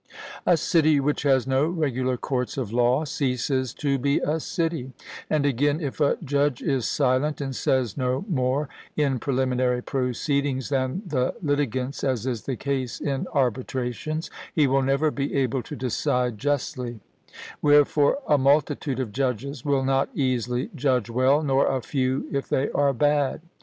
A city which has no regular courts of law ceases to be a city; and again, if a judge is silent and says no more in preliminary proceedings than the litigants, as is the case in arbitrations, he will never be able to decide justly; wherefore a multitude of judges will not easily judge well, nor a few if they are bad.